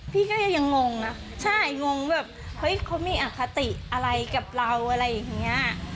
พี่ก็ยังงงนะใช่งงแบบเฮ้ยเขามีอคติอะไรกับเราอะไรอย่างเงี้ย